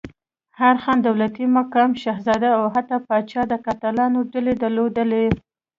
هر خان، دولتي مقام، شهزاده او حتی پاچا د قاتلانو ډلې درلودلې.